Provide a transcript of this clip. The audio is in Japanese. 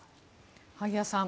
萩谷さん